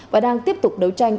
và đang tiếp tục đấu tranh